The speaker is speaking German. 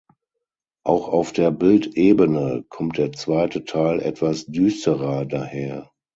Auch auf der Bildebene kommt der zweite Teil etwas düsterer daher.